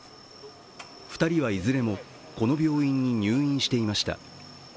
２人はいずれも、この病院に入院していました。